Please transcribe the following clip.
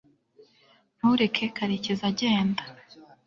ntureke karekezi agenda